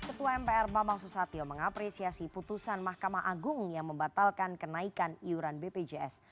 ketua mpr bambang susatyo mengapresiasi putusan mahkamah agung yang membatalkan kenaikan iuran bpjs